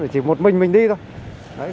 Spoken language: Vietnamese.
chỉ một mình mình đi thôi